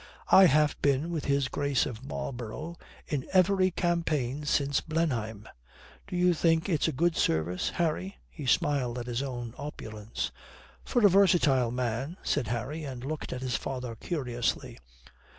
"I have been with his Grace of Marlborough in every campaign since Blenheim. Do you think it's a good service, Harry?" he smiled at his own opulence. "For a versatile man," said Harry, and looked at his father curiously.